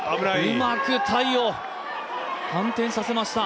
うまく対応反転させました。